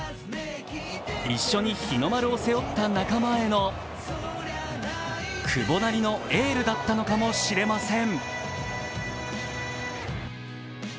一緒に日の丸を背負った仲間への久保なりのエールだったのかもしれません。